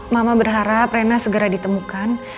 mama berharap rena segera ditemukan